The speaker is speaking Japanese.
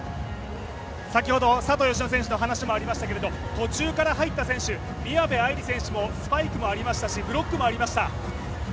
先ほど佐藤淑乃選手のお話もありましたけれども、途中から入った選手宮部藍梨選手もスパイクもありましたしブロックもありました。